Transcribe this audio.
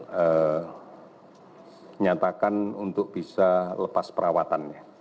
menyatakan untuk bisa lepas perawatannya